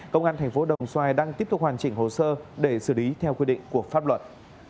công an thành phố đồng xoài đang tiếp tục hoàn chỉnh hồ sơ để xử lý theo quy định của pháp luật